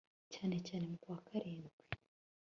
cyane cyane mu kwa karindwi